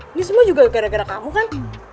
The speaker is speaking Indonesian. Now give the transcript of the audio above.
ini semua juga gara gara kamu kan